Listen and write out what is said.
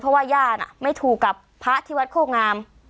เพราะว่าย่าน่ะไม่ถูกกับพระที่วัดโคกงาม